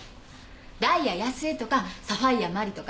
ダイヤ泰江とかサファイア麻里とか。